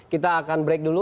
kita akan break dulu